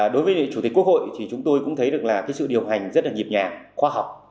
đối với chủ tịch quốc hội thì chúng tôi cũng thấy được là cái sự điều hành rất là nhịp nhàng khoa học